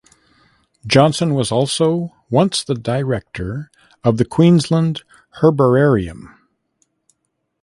Johnson was also once the Director of the Queensland Herbarium.